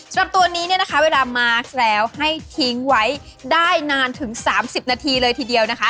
ตัวนี้เนี่ยนะคะเวลามาร์คแล้วให้ทิ้งไว้ได้นานถึง๓๐นาทีเลยทีเดียวนะคะ